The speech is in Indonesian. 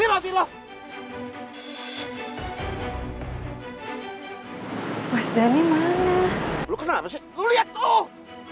hai mas dhani mana lu kenapa sih lihat tuh